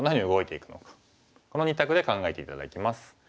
この２択で考えて頂きます。